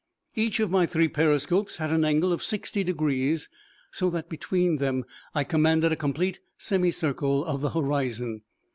Each of my three periscopes had an angle of sixty degrees so that between them I commanded a complete semi circle of the horizon.